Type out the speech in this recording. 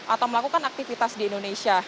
atau melakukan aktivitas di indonesia